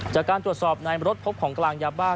จากการตรวจสอบในรถพบของกลางยาบ้า